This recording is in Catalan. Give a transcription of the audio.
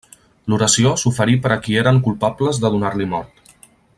L'oració s'oferí per a qui eren culpables de donar-li mort.